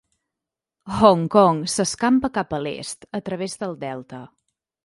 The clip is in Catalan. Hong Kong s'escampa cap a l'est a través del delta.